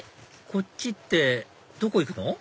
こっちってどこ行くの？